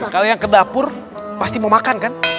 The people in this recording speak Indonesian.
kalian ke dapur pasti mau makan kan